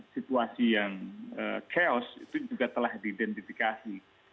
situasi yang chaos itu juga telah diidentifikasi